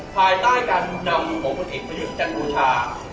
ภายใต้การดูดนำของคนเอกประยุทธ์จันทรวชา